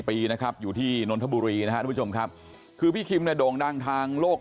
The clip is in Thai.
๑๔ปีนะครับอยู่ที่น้นทบุรีนะคุณชมครับคือพี่คิมด่วงดั่งทางโลก